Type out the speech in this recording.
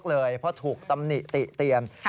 โจ๊กเลยเพราะถูกตำหนิติเตียน